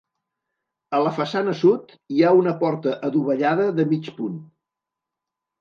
A la façana sud hi ha una porta adovellada de mig punt.